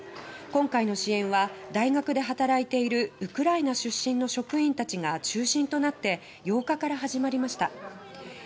今回の支援は大学で働いているウクライナ出身の職員たちが中心となって８日から始まりました。